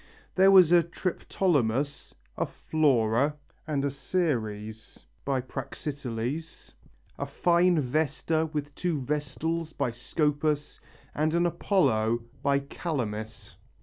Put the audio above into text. There was a Triptolemus, a Flora and a Ceres by Praxiteles, a fine Vesta with two Vestals by Scopas and an Apollo by Calamis.